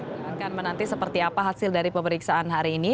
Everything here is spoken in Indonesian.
kita akan menanti seperti apa hasil dari pemeriksaan hari ini